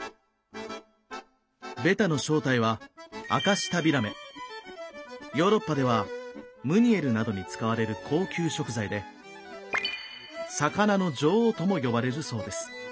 ベタの正体はヨーロッパではムニエルなどに使われる高級食材で「魚の女王」とも呼ばれるそうです。